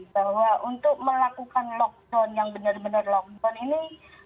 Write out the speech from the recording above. bahwa untuk melakukan lockdown yang bener bener lockdown ini